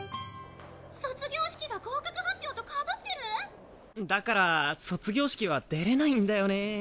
・卒業式が合格発表とかぶってる⁉だから卒業式は出れないんだよね。